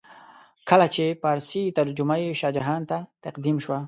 کله چې فارسي ترجمه یې شاه جهان ته تقدیم شوه.